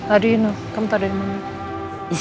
adi kamu tadi ada dimana